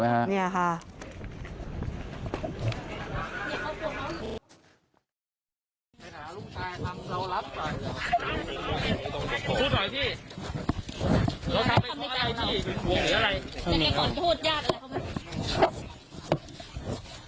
พระคุณที่อยู่ในห้องการรับผู้หญิง